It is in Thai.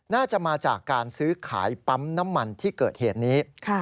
น่าจะมาจากการซื้อขายปั๊มน้ำมันที่เกิดเหตุนี้